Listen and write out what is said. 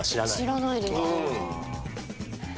知らないです全然。